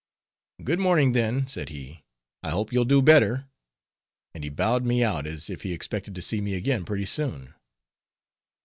"Good morning, then," said he, "I hope you'll do better," and he bowed me out as if he expected to see me again pretty soon.